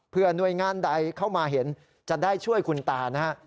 เพื่อหน่วยงานใดเข้ามาเห็นจะได้ช่วยคุณตานะฮะ